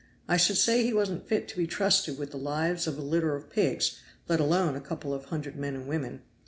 I should say he wasn't fit to be trusted with the lives of a litter of pigs, let alone a couple of hundred men and women.